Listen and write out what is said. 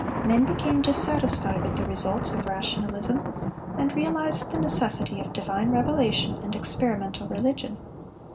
Men became dissatisfied with the results of rationalism, and realized the necessity of divine revelation and experimental religion.